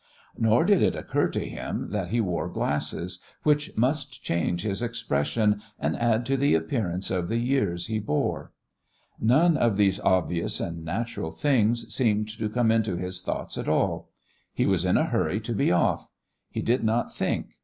Nor did it occur to him that he wore glasses, which must change his expression and add to the appearance of the years he bore. None of these obvious and natural things seemed to come into his thoughts at all. He was in a hurry to be off. He did not think.